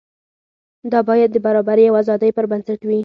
دا باید د برابرۍ او ازادۍ پر بنسټ وي.